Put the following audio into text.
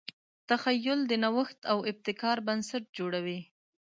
تخیل د نوښت او ابتکار بنسټ جوړوي.